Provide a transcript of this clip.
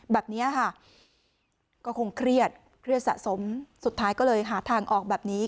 แบบนี้ค่ะก็คงเครียดเครียดสะสมสุดท้ายก็เลยหาทางออกแบบนี้